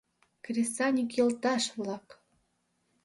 Кресаньык йолташ-влак!